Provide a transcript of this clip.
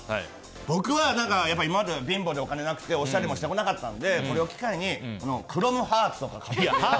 僕は今までは貧乏でお金なくておしゃれもしてこなかったんでこれを機会にクロムハーツとか買って。